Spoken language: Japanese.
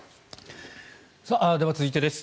では、続いてです。